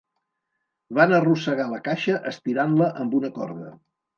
Van arrossegar la caixa estirant-la amb una corda.